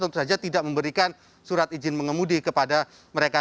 tentu saja tidak memberikan surat izin mengemudi kepada mereka